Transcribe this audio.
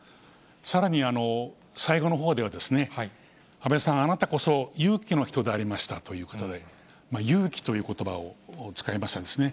さらに、最後のほうでは、安倍さん、あなたこそ勇気の人でありましたということで、勇気ということばを使いましたですね。